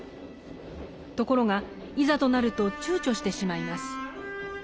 ところがいざとなると躊躇してしまいます。